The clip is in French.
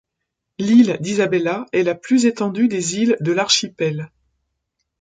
L'île d'Isabela est la plus étendue des îles de l'archipel.